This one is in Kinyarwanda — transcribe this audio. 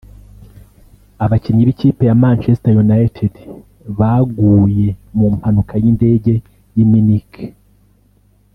Abakinnyi b’ikipe ya Manchester United baguye mu mpanuka y’indege y’I Munich